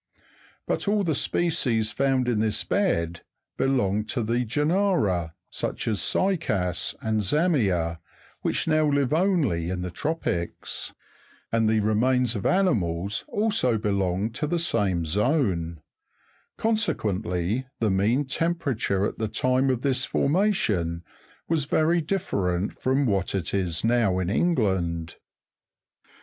But all the species found in this bed belong to genera, such cycas and zamia, which now live only in the tropics, and the remains of animals Fi S ^.Portland dirt led. also belonged to the same zone ; consequently the mean temperature at the time of this formation was very different from what it is now in England.